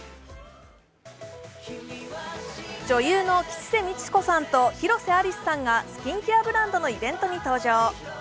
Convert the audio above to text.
女優の吉瀬美智子さんと広瀬アリスさんがスキンケアブランドのイベントに登場。